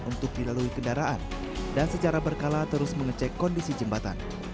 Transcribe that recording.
untuk dilalui kendaraan dan secara berkala terus mengecek kondisi jembatan